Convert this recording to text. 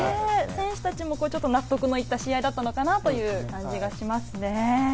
選手たちも納得のいった試合だったのかなという感じがします。